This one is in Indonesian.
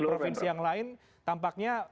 provinsi yang lain tampaknya